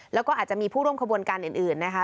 แล้วก็อาจจะมีผู้ร่วมขบวนการอื่นนะคะ